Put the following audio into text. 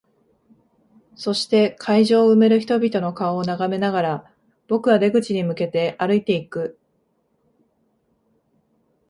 そして、会場を埋める人々の顔を眺めながら、僕は出口に向けて歩いていく。